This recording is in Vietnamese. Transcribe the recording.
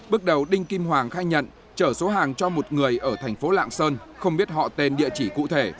bước đầu đinh kim hoàng khai nhận chở số hàng cho một người ở thành phố lạng sơn không biết họ tên địa chỉ cụ thể